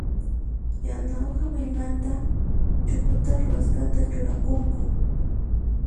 Yana uha willmamanta chukuta ruwasqata churakunku.